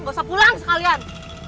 gak usah pulang sekalian